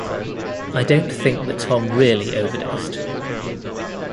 I don't think that Tom really overdosed.